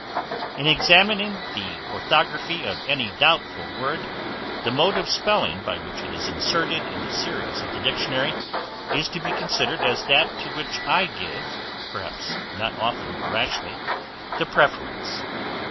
In examining the orthography of any doubtful word, the mode of spelling by which it is inserted in the series of the dictionary, is to be considered as that to which I give, perhaps not often rashly, the preference.